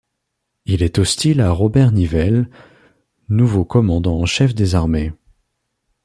Il est hostile à Robert Nivelle, nouveau commandant en chef des armées.